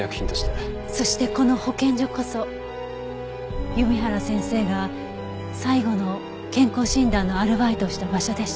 そしてこの保健所こそ弓原先生が最後の健康診断のアルバイトをした場所でした。